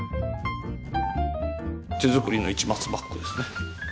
手作りの市松バッグですね。